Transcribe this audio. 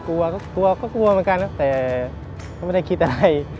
กลัวก็กลัวเหมือนกันครับแต่เขาไม่ได้คิดอะไร